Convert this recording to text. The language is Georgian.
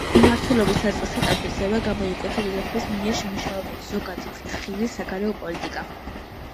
მმართველობის საწყის ეტაპზევე გამოიკვეთა დედოფლის მიერ შემუშავებული ზოგადად ფრთხილი საგარეო პოლიტიკა.